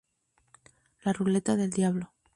La ruleta del diablo